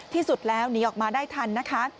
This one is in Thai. ที่สุดแล้วหนีออกมาได้ทันนะคะ